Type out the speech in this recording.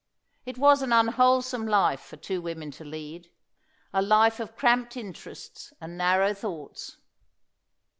It was an unwholesome life for two women to lead a life of cramped interests and narrow thoughts.